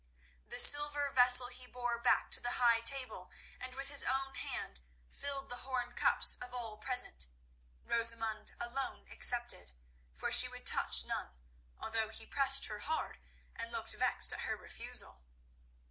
The silver vessel he bore back to the high table, and with his own hand filled the horn cups of all present, Rosamund alone excepted, for she would touch none, although he pressed her hard and looked vexed at her refusal.